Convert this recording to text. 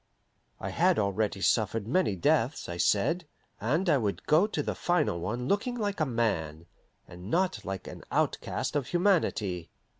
I had already suffered many deaths, I said, and I would go to the final one looking like a man, and not like an outcast of humanity.